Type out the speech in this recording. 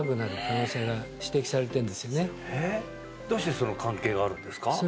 どうしてその関係があるんですか？